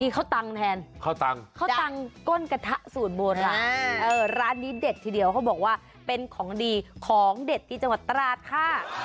นี่ข้าวตังแทนข้าวตังก้นกระทะศูนย์โบราณร้านนี้เด็ดทีเดียวเขาบอกว่าเป็นของดีของเด็ดที่จังหวัดตราศค่ะ